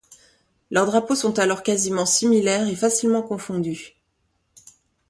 Leurs drapeaux sont alors quasiment similaires et facilement confondus.